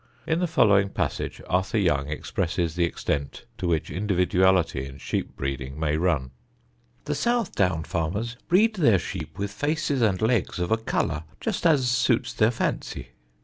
In the following passage Arthur Young expresses the extent to which individuality in sheep breeding may run: "The South Down farmers breed their sheep with faces and legs of a colour, just as suits their fancy.